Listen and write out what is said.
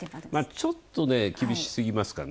ちょっと厳しすぎますかね。